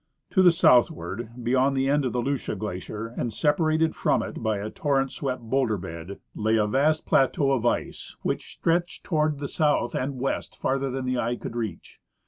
To the soutliAvard, beyond the end of the Lucia glacier, and separated from it by a torrent swept boAvlder bed, lay a A'ast Former Height of the Ice Flood. 93 plateau of ice which stretched toward the south and west farther than the eye could reach.